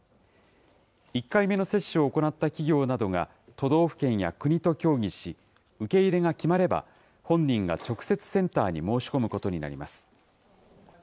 １回目の接種を行った企業などが都道府県や国と協議し、受け入れが決まれば、本人が直接センターに申し込むことになります。